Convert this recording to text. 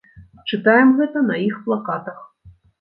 Чытаем гэта на іх плакатах!